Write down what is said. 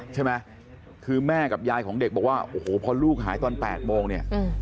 ใช่ไหมคือแม่กับยายของเด็กบอกว่าโอ้โหพอลูกหายตอน๘โมงเนี่ย